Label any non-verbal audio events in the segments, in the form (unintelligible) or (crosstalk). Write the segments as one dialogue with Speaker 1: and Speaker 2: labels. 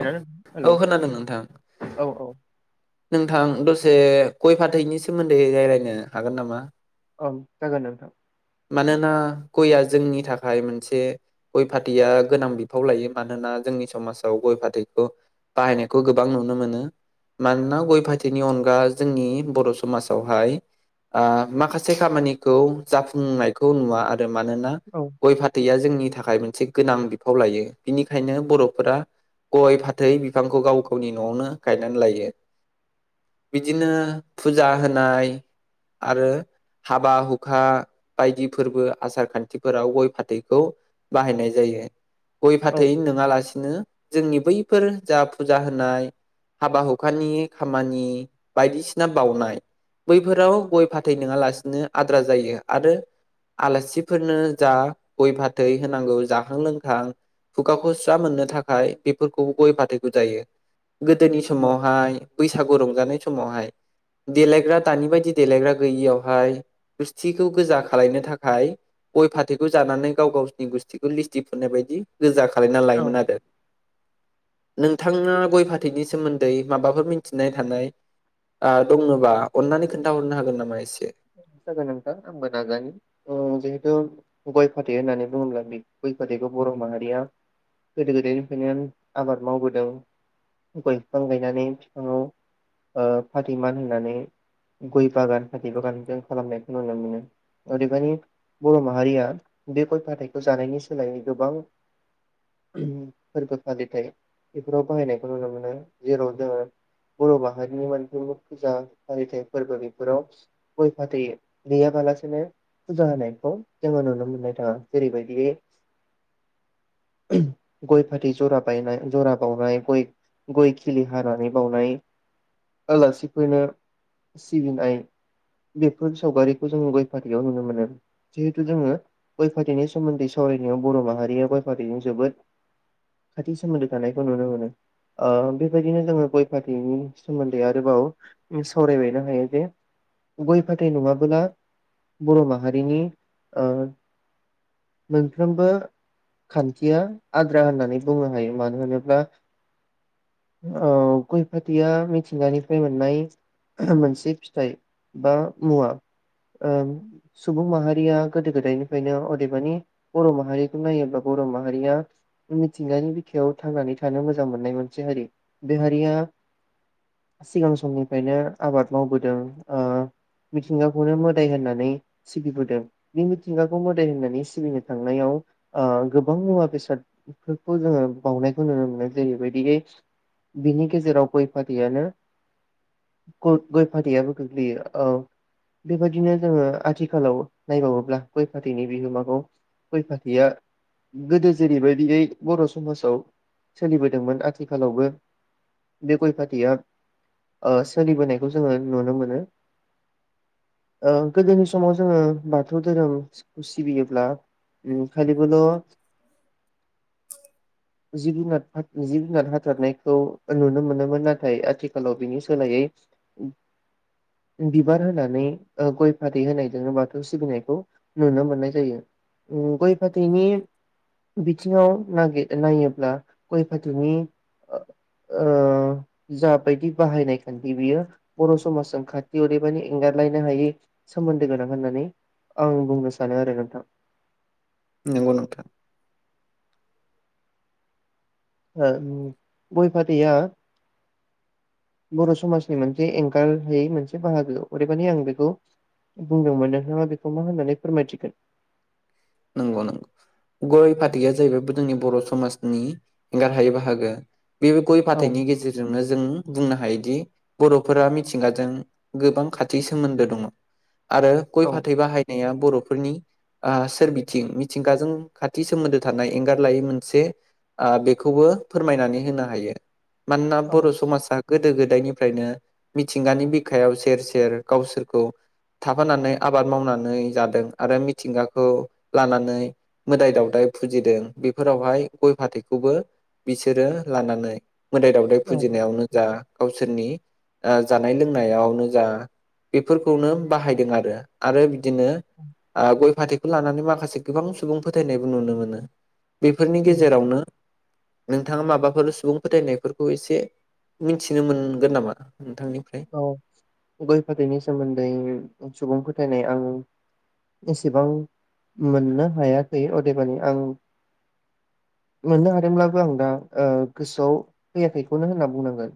Speaker 1: हेल'
Speaker 2: औ खोनादों नोंथां
Speaker 1: औ औ
Speaker 2: नोंथां दसे गय फाथैनि सोमोन्दै रायज्लायनो हागोन नामा?
Speaker 1: औ जागोनदे नोंथां औ
Speaker 2: मानोना गयआ जोंनि थाखाय मोनसे गय फाथैया गोनां बिफाव लायो। मानोना जोंनि समाजाव गय फाथैखौ बाहायनायखौ गोबां नुनो मोनो। मानोना गय फाथैनि अनगा जोंनि बर' समाजावहाय माखासे खामानिखौ जाफुं नायखौ नुवा आरो मानोना
Speaker 1: औ
Speaker 2: गय फाथैआ जोंनि थाखाय मोनसे गोनां बिफाव लायो। बिनिखायनो बर'फोरा गय-फाथै बिफांखौ गाव गावनि न'आवनो गायनानै लायो। बिदिनो फुजा होनाय आरो हाबा-हुखा बायदि फोरबो, आसार खान्थिफोराव गय-फाथैखौ बाहायनाय जायो।
Speaker 1: औ
Speaker 2: गय-फाथैनो नङालासे जोंनि बैफोर जा फुजा होनाय, हाबा हुखानि खामानि बायदिसिना बाउनाय बैफोराव गय-फाथै नङालासिनो आद्रा जायो आरो आलासिफोरनो जा गय-फाथै होनांगौ जाखां लोंखां खुगाखौ स्रा मोननो थाखाय बेफोरखौ गय फाथैखौ जायो। गोदोनि समावहाय बैसागु रंजानाय समावहाय देलायग्रा दानि बायदि देलायग्रा गैयियावहाय गुस्थि खौ गोजा खालायनो थाखाय गय-फाथैखौ जानानै गाव गावसिनि गुस्थिखौ लिस्टि फुननाय बायदि गोजा खालायना
Speaker 1: औ
Speaker 2: लायोमोन आरो। नोंथाङा गय फाथैनि सोमोन्दै माबाफोर मिथिनाय थानाय दङबा अन्नानै खोन्थाहरनो हागोन नामा? एसे
Speaker 1: जागोन नोंथां आंबो नाजायो जिहेथु गय -फाथै होननानै बुङोब्ला बे गय -फाथैखौ बर' माहारिया गोदो गोदायनिफ्रायनो आबाद मावबोदों। गय बिफां गायनानै बिफाङाव फाथै मान होनानै गय बागान फाथै बागान जों खालामनायखौ नुनो मोनो। अदेबानि बर' माहारिया बे गय -फाथैखौ जानायनि सोलायै गोबां फोरबो फालिथाय बेफोराव बाहायनायखौ नुनो मोनो। जेराव जोङो बर' माहारिनि मोनफ्रोमबो फुजा- फालिथाय फोरबो बेफोराव गय-फाथै गैयाबालासिनो फुजा होनायखौ जोङो नुनो मोननाय थाङा। जेरैबायदि गय- फाथै जरा बायनाय जरा बावनाय, गय खिलि हानानै बावनाय, आलासिफोरखौ सिबिनाय बेफोर सावगारिखौ जों गय -फाथैयाव नुनो मोनो। जिहेथु जोङो गय- फाथैनि सोमोन्दै सावरायनायाव बर' माहारिया गय फाथैजों जोबोद खाथि सोमोन्दो थानायखौ नुनो मोनो। ओ बेबायदिनो जोङो गय- फाथैनि सोमोनदै आरोबाव इ सावरायबायनो हायो बे (unintelligible) गय फाथै नङाबोला बर 'माहारिनि ओ मोनफ्रोमबो खान्थिया आद्रा होननानै बुंनो हायो। मानो होनो बा ओ गय -फाथैया मिथिंगानिफ्राय मोननाय ओहोम मोनसे फिथाइ। बा मुवा ओम सुबुं माहारिया गोदो गोदायनिफ्रायनो अदेबानि बर माहारिखौ नायोब्ला बर माहारिया मिथिंगानि बिखायाव थांनानै थानो मोजां मोननाय मोनसे हारि बे हारिया सिगां समनिफ्रायनो आबाद मावबोदों ओ मिथिंगाखौनो मोदाय होननानै सिबिबोदों बे मिथिंगाखौ मोदाय होननानै सिबिनो थांनायाव ओ गोबां मुवा बेसादफोरखौ जोङो बावनायखौ नुनो मोनो जेरैबायदियै बिनि गेजेराव गय -फाथैयानो गय - फाथैयाबो गोग्लैयो औ बेबायदिनो जोङो आथिखालाव नायबावोब्ला गय -फाथैनि बिहोमाखौ गय- फाथैया गोदो जेरैबायदियै बर समाजाव सोलिबोदोंमोन आथिखालावबो बे गय- फाथैया ओ सोलिबोनायखौ जोङो नुनो मोन नो ओं गोदोनि समाव जोङो बाथौ धोरोम सिबियोब्ला उम खालिबोल जिब जुनात हाथ जिब जुनार हाथारनायखौ नुनो मोना मोन नाथाय आथिखालाव बिनि सोलायै बिबार होनानै ओ गय- फाथै होनायजों बाथौ सिबिनायखौ नुनो मोननाय जायो गय- फाथैनि बिथिङाव नागिर नायोब्ला गय फाथैनि ओ जाबायदि बाहायनाय खान्थि बियो बर समाजजों खाथि ओरैबानि एंगारलायनो हायि सोमोन्दो गोनां होननानै आं बुंनो सानो आरो नोंथां।
Speaker 2: नांगौ नोथां।
Speaker 1: बा गय फाथैया बर' समाजनि मोनसे एंगारहयै मोनसे बाहागो ओरैबानि आं बेखौ बुंदोंमोन नोथांआ बेखौ मा होननानै फोरमायथिखो?
Speaker 2: नंगौ नंगौ गय फाथैया जाहैबाय जोंनि बर' समाजनि एंगारहायै बाहागो। बे गय
Speaker 1: औ
Speaker 2: फाथैयनि गेजेरजोंनो जों बुंनो हायोदि बरफोरा मिथिंगाजों गोबां खाथि सोमोन्दो दङ। आरो ग'य
Speaker 1: औ
Speaker 2: फाथै बाहायनाया बर'फोरनि आ सोरनि थिं मिथिंगाजों खाथि सोमोन्दो थानाय एंगार लायै मोनसे आ बेखौबो फोरमायनानै होनो हायो। मानोना
Speaker 1: औ
Speaker 2: बर'समासा गोदो गोदायनिफ्रायनो मिथिंगानि बिखायाव सेर -सेर गावसोरखौ थाफानानै आबाद मावनानै जादों आरो मिथिंगाखौ लानानै मोदाय दावदाय फुजिदों बेफोरावहाय गय -फाथैखौबो बिसोरो लानानै मोदाय दावदै
Speaker 1: औ
Speaker 2: फुजिनायावनो जा गावसोरनि ओ जानाय -लोंनायावनो जा बेफोरखौनो बाहायदों आरो। आरो बिदिनो आ ग'य फाथैखौ लानानै माखासे से गोबां सुबुं फोथायनायबो नुनो मोनो। बेफोरनि
Speaker 1: उम
Speaker 2: गेजेरावनो नोंथाङा माबाफोर सुबुं फोथायनायफोरखौ एसे मिथिनो मोनगोन नामा नोंथांनिफ्राय
Speaker 1: औ गय- फाथैनि सोमोन्दै सुबुं फोथायनाय आं एसेबां मोननो हायाखै अदेबानि आं मोननो हादोंब्ला बेखै आं दा ओ गोसोआव फैयाखैखौनो होनना बुंनांगोन।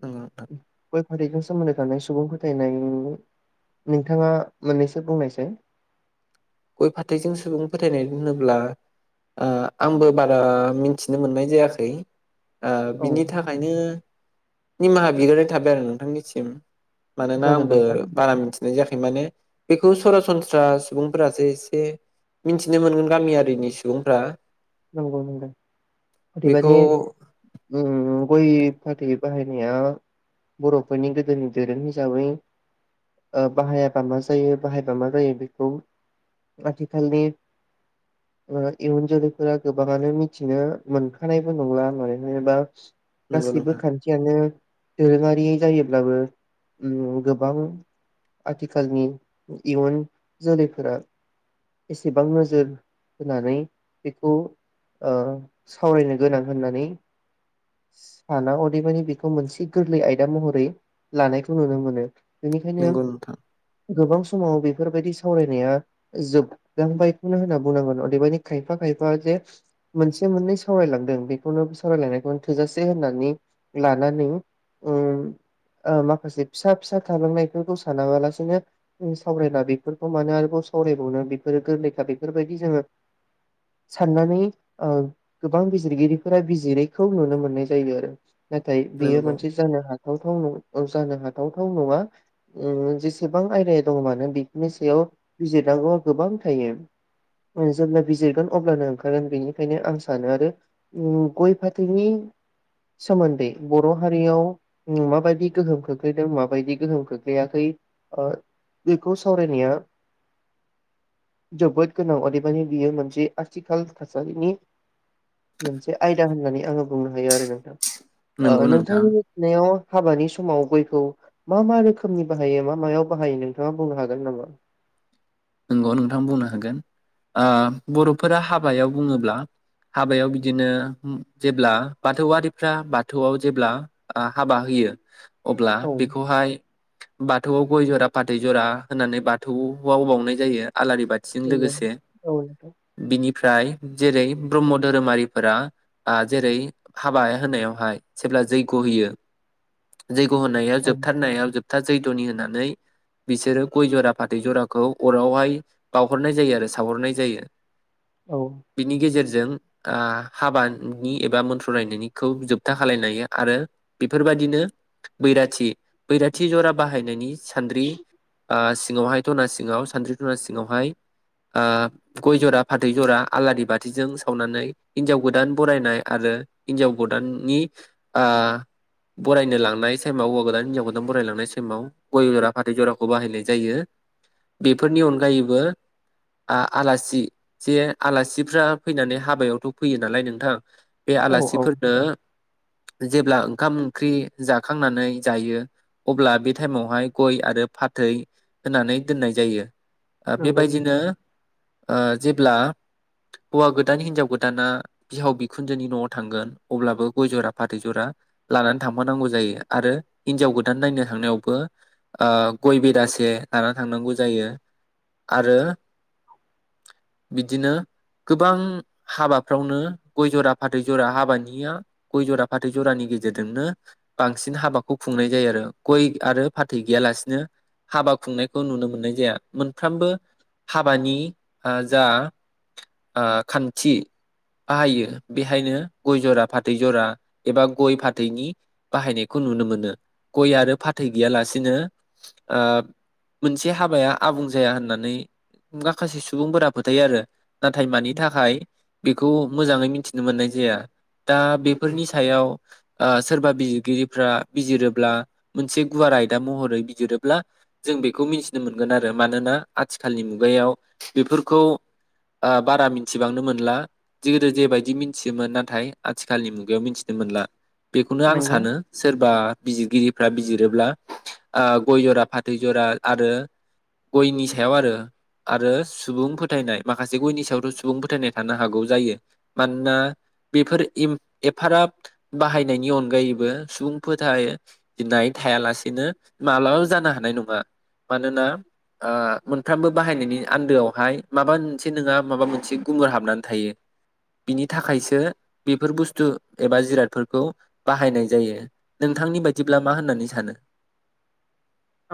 Speaker 2: नंगौ नोंथां
Speaker 1: गय -फाथैखो सोमोन्दो थानाय सु सुबुं फोथायनाय नोंथाङा मोननैसो बुंनायसाय।
Speaker 2: गय -फाथैजों सुबुं फोथायनाय होनोब्ला आ आंबो बारा मिथिनो मोननाय जायाखै। आओ
Speaker 1: औ
Speaker 2: बिनि थाखायनो निमाहा बिग्रोनाय थाबाय आरो नोंथांनिसिम। मानोना
Speaker 1: जागोन
Speaker 2: आंबो
Speaker 1: नोंथां
Speaker 2: बारा मिथिनाय जाख माने बेखौ सरासनस्रा सुबुं फोरासो एसे मिथिनो मोनगोन गामियारिनि सुबुंफ्रा।
Speaker 1: नोंगौ नोंथां
Speaker 2: बेखौ
Speaker 1: अदेबानि उम उम। गय फाथै बाहायनाया बर'फोरनि गोदोनि दोरों हिसाबै ओ बाहायाबा मा जायो बाहायबा मा जायो बेखौ आथिखालनि ओ इयुन जोलै फोरा गोबांआनो मिथिनो मोनखानायबो नंला मानोना एबा
Speaker 2: नंगौ
Speaker 1: गासैबो
Speaker 2: नोंथां
Speaker 1: खान्थियानो दोरोङारि जायो। ब्लाबो ओम गोबां आथिखालनि इयुन जोलैफोरा एसेबां नोजोर होनानै बेखौ ओ सावरायनो गोनां होननानै साना अदेबानि बेखौ मोनसे गोरलै आयदा महरै लानायखौ नुनो मोनो। बेनिखायनो आं
Speaker 2: नंगौ नोंथां
Speaker 1: गोबां समाव बेफोरबायदि सावरायनाया जोबदोंबायखौनो होनना बुंनांगोन अदेबानि खाय खायफा खायफा जे मोनसे मोननै सावरायलांदों बेखौनो सावरायलायनायखौनो थोजासे होननानै लाना नों ओम ओ माखासे फिसा फिसा थालांनायफोरखौ सानाबालासिनो जों सावरायला बेफोरखौ मानो आरोबाव सावरायबावनो बेफोर गोरलैखा बेफोरबायदि जोङो साननानै ओ गोबां बिजिरगिरिफोरा बिजिरैखौ नुनो मोननाय जायो आरो नाथाय बेयो
Speaker 2: नंगौ
Speaker 1: मोनसे जानो हाथावथाव नं जानो हाथावथाव नङा ओम जेसेबां आयदाया दं मानो बेफोरनि सायाव बिजिरनांगौआ गोबां थायो जेब्ला बिजिरगोन अब्लानो ओंखारोन बेनिखायनो आं सानो आरो उम गय फाथैनि सोमोन्दै बर' हारियाव उम माबायदि गोहोम खोख्लैदों माबायदि गोहोम खोख्लैयाखै बेखौ ओ सावरायनाया जोबोद गोनां अदेबानि बियो मोनसे आथिखाल थासारिनि मोनसे आयदा होननानै आङो बुंनो हायो आरो नोंथां।
Speaker 2: नंगौ
Speaker 1: ओ
Speaker 2: नोंथां
Speaker 1: नोंथांनि मिथिनायाव हाबानि समाव गयखौ मा मा रोखोमनि बाहायो मा मायाव बाहायो नोंथाङा बुंनो हागोन नामा?
Speaker 2: नोंगौ नोंथां बुंनो हागोन ओ बर'फोरा हाबायाव बुङोब्ला हाबायाव बिदिनो उम जेब्ला बाथौआरिफ्रा बाथौआव जेब्ला ओ हाबा होयो अब्ला
Speaker 1: औ
Speaker 2: बेखौहाय बाथौआव गय ज'रा फाथै ज'रा होननानै बाथौआव बावनाय जायो। आलारि बाथिजों
Speaker 1: नंगौ
Speaker 2: लोगोसे
Speaker 1: औ नोंथां
Speaker 2: बिनि फ्राय जेरै ब्रह्म धोरोमारिफोरा ओ जेरै हाबा होनायावहाय जेब्ला जैग्य होयो जैग' होनाया
Speaker 1: औ
Speaker 2: जोबथारनायाव जोब था जैध'नि होनानै बिसोरो गय जरा फाथै जराखौ अरावहाय बावहरनाय जायो आरो सावहरनाय जायो।
Speaker 1: औ
Speaker 2: बिनि गेजेर जों ओ हाबानि एबा मन्थ्र रायनायनिखौ जोबथा खालायनो हायो आरो बेफोरबादिनो बैराथि बैराथि ज'रा बाहायनायनि सान्द्रि ओस सिङावहाय ध'ना सिङावस सानद्रि ध'ना सिङावहाय ओ गय ज'रा फाथै ज'रा आलारि बाथिजों सावनानै हिनजाव गोदान बरायनाय आरो हिनजाव गोदाननि ओ बरायनो लांनाय सेमाव हौवा गोदान हिनजाव गोदान बरायलांनाय सेमाव गय ज'रा फाथै ज'राखौ बाहायनाय जायो। बेफोरनि अनगायैबो आ-आलासि जे आलासिफ्रा फैनानै हाबायावथ' फैयो नालाय नोंथां बे
Speaker 1: औ औ
Speaker 2: आलासिफोरनो जेब्ला ओंखाम ओंख्रि जाखांनानै जायो अब्ला बे टाइमावहाय गय आरो फाथै होनानै दोननाय ज जायो। ओ
Speaker 1: नंगौ नोंथां
Speaker 2: बेबायदिनो ओ जेब्ला हौवा गोदान हिनजाव गोदाना बिहाव बिखुनजोनि न'आव थांगोन अब्लाबो गय ज'रा फाथै ज'रा लानानै थांफानांगौ जायो आरो हिनजाव गोदान नायनो थांनायावबो ओ गय बेदासे लाना थांनांगौ जायो आरो बिदिनो गोबां हाबाफ्रावनो गय ज'रा फाथै ज'रा हाबानिया गय ज'रा फाथै जरानि गेजेरजोंनो बांसिन हाबाखौ खुंनाय जायो आरो गय आरो फाथै गैयालासिनो हाबा खुंनायखौ नुनो मोननाय (unintelligible) मोनफ्रोमबो हाबानि जा ओ खान्थि बाहायो बेहायनो गय जरा फाथै जरा एबा गय फाथैनि बाहायनायखौ नुनो मोनो। गय
Speaker 1: औ
Speaker 2: आरो फाथै गैयालासे (unintelligible) ओ (unintelligible) हाबाया आबुं जाया होननानै माखासे सुबुंफोरा फोथायो आरो। नाथाय मानि थाखाय। बेखौ मोजाङै मिथिनो मोननाय जाया। दा
Speaker 1: औ
Speaker 2: बेफोरनि सायाव ओ। सोरबा बिजिरगिरिफ्रा बिजिरोब्ला मोनसे गुवार आयदा महरै बिजिरोब्ला जों बेखौ मिन्थि मोनगोन आरो मानोना आथिखालनि मुगायाव बेफोरखौ ओ बारा मिथिबांनो मोनला जदो जेबायदि मिथियोमोन, नाथाय आथिखालनि मुगायाव मिथिनो मोनला। बेखौनो आं
Speaker 1: नंगौ
Speaker 2: सानो सोरबा बिजिरगिरि फ्रा बिजिरोब्ला ओ गय जरा फाथै जरा आरो गयनि सायाव आरो आरो सुबुं फोथायनाय माखासे गयनि सायावथ' सुबुं फोथायनाय थानो हागौ। जायो मानोना बेफोर एफाराब बाहायनायनि अनगायैबो सुबुं फोथायनाय थायालासेनो माब्लाबाबो जानो हानाय नङा। मानोना ओ मोनफ्रोमबो बाहायनायनि आन्दोआवहाय माबा मोनसे नोंङा माबा मोनसे गुमगुर हाबनानै थायो, बिनि थाखायसो बेफोर बुस्थु एबा जिरादफोरखौ बाहायनाय जायो नोंथांनि बायदिब्ला मा होननानै सानो।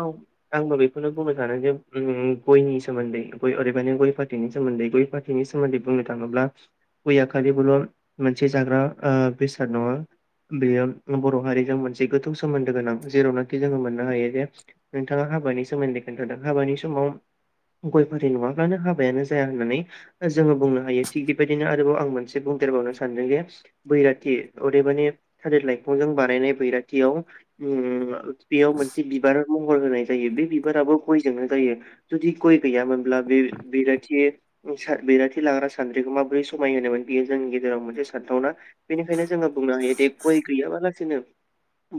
Speaker 1: औ आंबो बेखौनो बुंनो सानो जे गयनि सोमोन्दै ग ओरैब गय फाथैनि सोमोन्दै गय फाथैनि सोमोन्दै बुंनो थाङोब्ला गयआ खालिबोल' मोनसे जाग्रा बेसाद नङा, बेयो बर' हारिजों मोनसे गोथौ सोमोन्दो गोनां जेरावनाखि जोङो मोननो हायो जे नोंथाङा हाबानि सोमोन्दै खोन्थादों हाबानि समाव गय फारि नङाब्लानो हाबायानो जाया होननानै जोङो बुंनो हायो, थिग बेबायदिनो आरोबाव आं मोनसे बुंदेरबावनो सानदों जे बैराथि अदेबानि थादिर लाइफांजों बानायनाय बैराथियाव। बेयाव मोनसे बिबार महर होनाय जायो बे बिबाराबो गयजोंनो जायो जुदि गय गैयामोनब्ला बे बराथि बिराथि लाग्रा सानद्रिखौ माबोरै समाय होनोमोन, बेयो जोंनि गेजेराव मोनसे सानथावना बेनिखायनो जोङो बुंनो हायोदि गय गैयाबालासिनो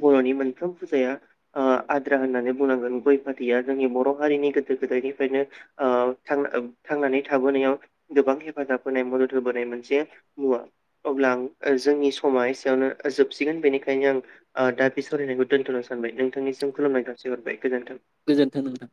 Speaker 1: बर'नि मोनफ्रोम फुजाया होननानै बुंनांगोन गय फाथया जोंनि बर' हारिनि गोदो गोदायनिफ्रायनो थांनानै थोनायाव गोबां हेफाजाब होनाय मदद होबोनाय मोनसे मुवा अब्ला आं जोंनि समा एसेयावनो जोबसिगोन, बेनिखायनो आं दा बे सावरायनायखौ दोनथ'नो सानबाय नोंथांनि खुुलुमनाय जासि हरबाय गोजोन्थों।
Speaker 2: गोजोन्थों नोंथां।